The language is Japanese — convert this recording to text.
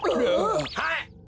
はい。